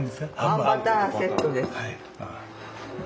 あんバターセットです。